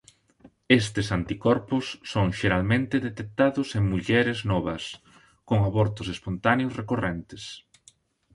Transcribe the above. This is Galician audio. Estes anticorpos son xeralmente detectados en mulleres novas con abortos espontáneos recorrentes.